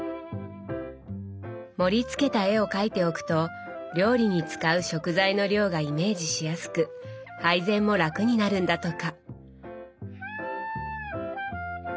盛りつけた絵を描いておくと料理に使う食材の量がイメージしやすく配膳も楽になるんだとか。